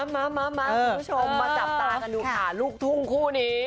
มาคุณผู้ชมมาจับตากันดูค่ะลูกทุ่งคู่นี้